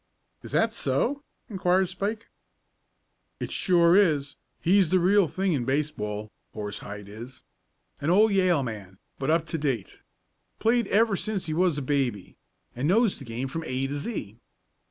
"Is that so?" inquired Spike. "It sure is. He's the real thing in baseball Horsehide is. An old Yale man, but up to date. Played ever since he was a baby, and knows the game from A to Z.